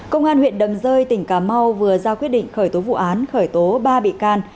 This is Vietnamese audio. công an huyện đầm rơi tỉnh cà mau vừa ra quyết định khởi tố vụ án khởi tố ba bị can